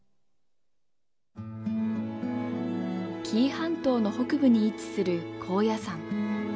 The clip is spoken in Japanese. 紀伊半島の北部に位置する高野山。